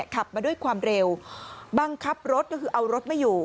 ขับมาด้วยความเร็วบังคับรถก็คือเอารถไม่อยู่